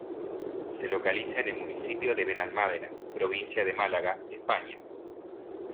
Se localiza en el municipio de Benalmádena, provincia de Málaga, España.